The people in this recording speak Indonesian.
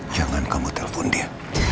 jangan kamu telepon dia